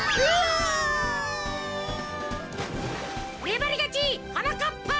ねばりがちはなかっぱ！